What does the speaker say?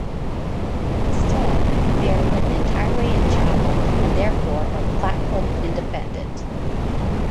Instead, they are written entirely in Java and therefore are platform-independent.